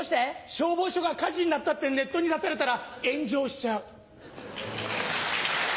消防署が火事になったってネットに出されたら炎上しちゃう。